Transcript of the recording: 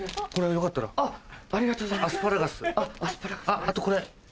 あっあとこれ。